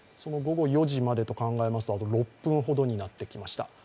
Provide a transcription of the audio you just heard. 午後４時までと考えますと、あと６分ほどになってきました。